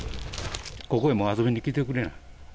ここへも遊びに来てくれない。